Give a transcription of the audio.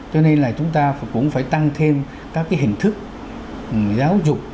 cho nên là chúng ta cũng phải tăng thêm các cái hình thức giáo dục